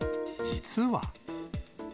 実は。